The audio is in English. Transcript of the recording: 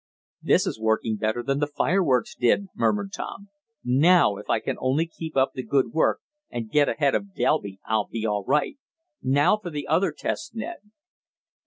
"This is working better than the fireworks did," murmured Tom. "Now if I can only keep up the good work, and get ahead of Delby I'll be all right. Now for the other test, Ned."